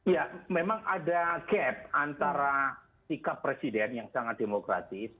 ya memang ada gap antara sikap presiden yang sangat demokratis